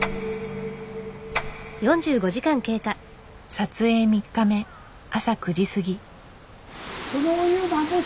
撮影３日目朝９時過ぎ。